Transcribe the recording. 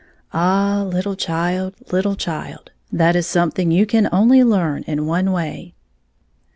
Ah, little child, little child ! that is something you can only learn in one way.